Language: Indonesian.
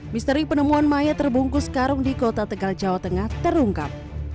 misteri penemuan maya terbungkus karung di kota tegal jawa tengah terungkap